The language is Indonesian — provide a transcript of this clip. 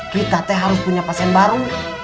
kita teh harus punya pasien baru